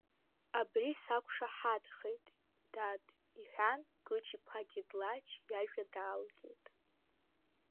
Абри сақәшәахьеит, дад, — иҳәан, Гыҷ-иԥа Гьедлач иажәа даалгеит.